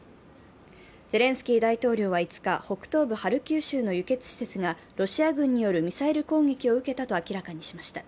ゼレンスキー大統領は５日、北東部ハルキウ州の輸血施設がロシア軍によるミサイル攻撃を受けたと明らかにしました。